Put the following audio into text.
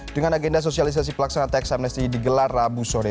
dengan agenda sosialisasi pelaksanaan teks amnesti digelar rabu sore